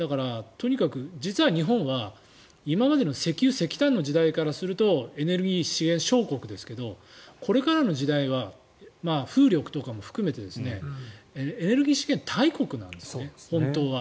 実は日本は今までの石油石炭の時代からするとエネルギー資源小国ですがこれからの時代は風力とかも含めてエネルギー資源大国なんです本当は。